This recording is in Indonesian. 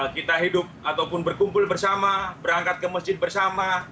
kita hidup ataupun berkumpul bersama berangkat ke masjid bersama